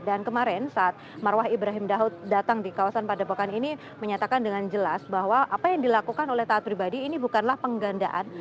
dan kemarin saat marwah ibrahim daud datang di kawasan pada pokan ini menyatakan dengan jelas bahwa apa yang dilakukan oleh taat pribadi ini bukanlah penggandaan